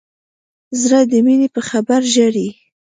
زړه د مینې په خبر ژاړي.